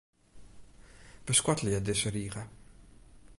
Beskoattelje dizze rige.